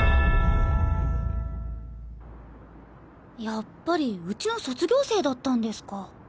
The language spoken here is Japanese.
やっぱりうちの卒業生だったんですか。